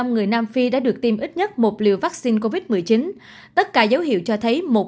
một mươi người nam phi đã được tiêm ít nhất một liều vaccine covid một mươi chín tất cả dấu hiệu cho thấy một